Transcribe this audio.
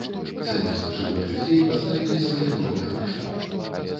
Замест жывых людзей паставілі свае новыя варштаты.